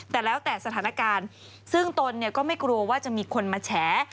แต่แล้วแต่สถานการณ์ซึ่งตนเนี่ยก็ไม่กลัวว่าจะมีคนมาแฉ